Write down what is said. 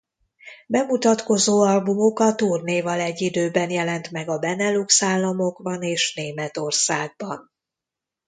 Bemutatkozó albumuk a turnéval egyidőben jelent meg a Benelux államokban és Németországban.